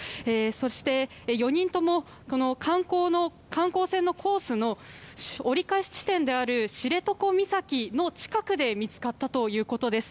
そして、４人とも観光船のコースの折り返し地点である知床岬の近くで見つかったということです。